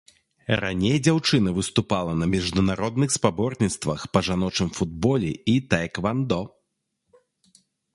Раней дзяўчына выступала на міжнародных спаборніцтвах па жаночым футболе і таэквандо.